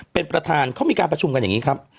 เป็นประธานเขามีการประชุมกันอย่างนี้ครับ